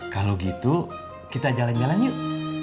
kalau gitu kita jalan jalan yuk